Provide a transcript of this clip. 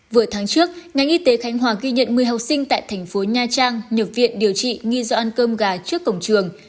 vừa tháng trước ngành y tế khánh hòa ghi nhận một mươi học sinh tại thành phố nha trang nhập viện điều trị nghi do ăn cơm gà trước cổng trường